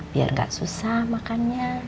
biar gak susah makannya